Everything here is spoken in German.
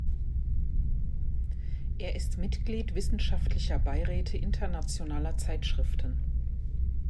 Er ist Mitglied wissenschaftlicher Beiräte internationaler Zeitschriften.